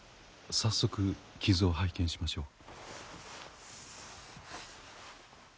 さっそく傷を拝見しましょう。